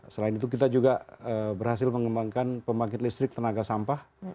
selain itu kita juga berhasil mengembangkan pembangkit listrik tenaga sampah